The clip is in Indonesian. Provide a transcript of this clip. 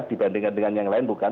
dibandingkan dengan yang lain bukan